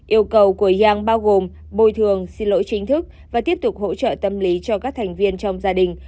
yêu cầu của yang bao gồm bồi thường xin lỗi chính thức và tiếp tục hỗ trợ tâm lý cho các thành viên trong gia đình